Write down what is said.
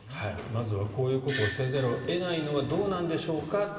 まずは、こういうことをせざるを得ないのはどうなんでしょうか